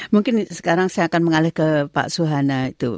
mungkin sekarang saya akan mengalih ke pak suhana itu